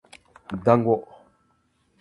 だんご